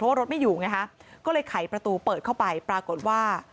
ว่ารถไม่อยู่ไงฮะก็เลยไขประตูเปิดเข้าไปปรากฏว่า